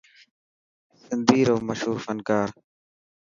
سنڌي رو مشهور فنڪار.